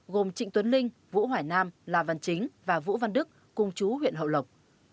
gồm trịnh tuấn linh vũ hoài nam la văn chính và vũ văn đức cùng chú huyện hậu lộc